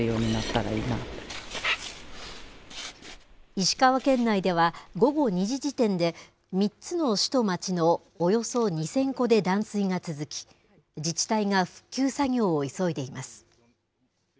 石川県内では、午後２時時点で３つの市と町のおよそ２０００戸で断水が続き、自治体が復旧作業を急いでいます。